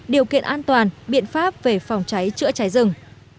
điều kiện an toàn biện pháp về phòng cháy chữa cháy rừng